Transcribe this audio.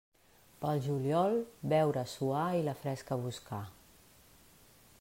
Pel juliol, beure, suar i la fresca buscar.